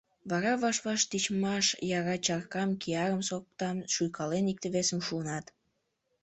Вара ваш-ваш тичмаш-яра чаркам, киярым-соктам шуйкален, икте-весым шунат.